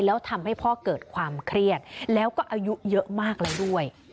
แล้วทำให้พ่อเกิดความเครียดแล้วก็อายุเยอะมากแล้วด้วย